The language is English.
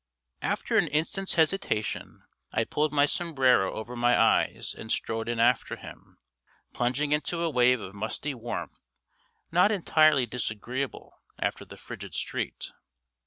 After an instant's hesitation I pulled my sombrero over my eyes and strode in after him, plunging into a wave of musty warmth not entirely disagreeable after the frigid street.